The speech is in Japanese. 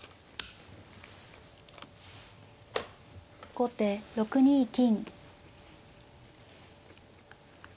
後手６二金。